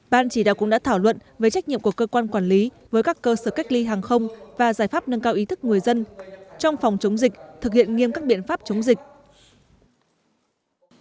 ban chỉ đạo cũng đã thảo luận về trách nhiệm của cơ quan quản lý với các cơ sở cách ly hàng không và giải pháp nâng cao ý thức người dân trong phòng chống dịch thực hiện nghiêm các biện pháp chống dịch